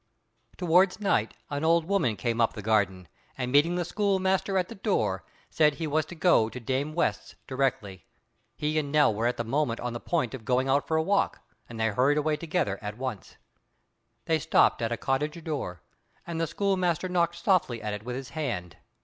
Towards night an old woman came up the garden, and meeting the schoolmaster at the door, said he was to go to Dame West's directly. He and Nell were at the moment on the point of going out for a walk, and they hurried away together at once. They stopped at a cottage door, and the schoolmaster knocked softly at it with his hand.